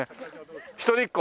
一人っ子？